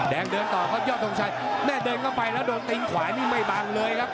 เดินต่อครับยอดทงชัยแม่เดินเข้าไปแล้วโดนตีนขวานี่ไม่บังเลยครับ